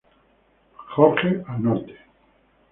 George, al norte.